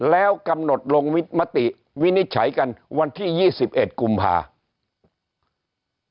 แล้วกำหนดลงมติวินิจฉัยกันวันที่๒๑กุมภาคม